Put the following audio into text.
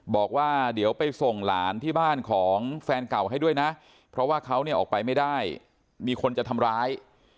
บอกว่าเดี๋ยวไปส่งหลานที่บ้านของแฟนเก่าให้ด้วยนะเพราะว่าเขาเนี่ยออกไปไม่ได้มีคนจะทำร้าย